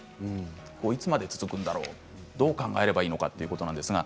いつまで続くんだろうどう考えればいいんだろうということなんです。